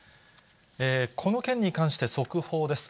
この件に関して、速報です。